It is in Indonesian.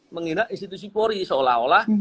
menghina institusi polri seolah olah